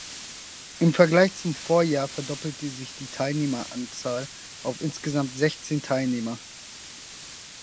Im Vergleich zum Vorjahr verdoppelte sich die Teilnehmeranzahl auf insgesamt sechzehn Teilnehmer.